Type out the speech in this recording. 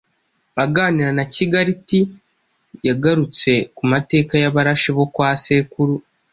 aganira na Kigali T, yagarutse ku mateka y’Abarashi bo kwa Sekuru,